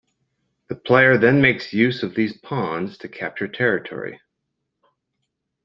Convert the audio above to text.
The player then makes use of these pawns to capture territory.